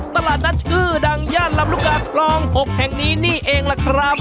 ตลาดนัดชื่อดังย่านลำลูกกาคลอง๖แห่งนี้นี่เองล่ะครับ